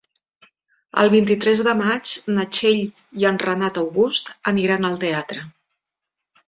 El vint-i-tres de maig na Txell i en Renat August aniran al teatre.